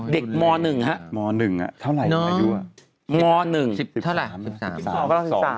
เด็กม๑ครับม๑อ่ะเท่าไหร่อายุอ่ะ